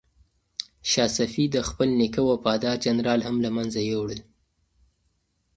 شاه صفي د خپل نیکه وفادار جنرالان هم له منځه یووړل.